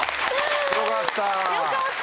よかった。